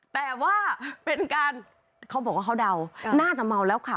แต่ว่าเป็นการเขาบอกว่าเขาเดาน่าจะเมาแล้วค่ะ